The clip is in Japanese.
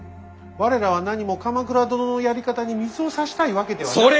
我らはなにも鎌倉殿のやり方に水をさしたいわけではなく。